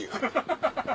ハハハハ。